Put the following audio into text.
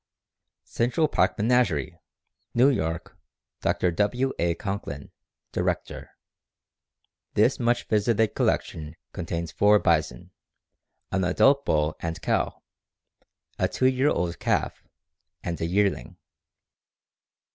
Central Park Menagerie, New York, Dr. W. A. Conklin, director. This much visited collection contains four bison, an adult bull and cow, a two year old calf, and a yearling.